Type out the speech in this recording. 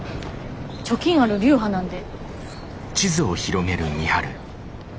貯金ある流派なんで。